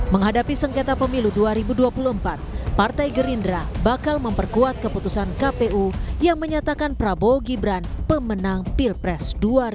menghadapi sengketa pemilu dua ribu dua puluh empat partai gerindra bakal memperkuat keputusan kpu yang menyatakan prabowo gibran pemenang pilpres dua ribu dua puluh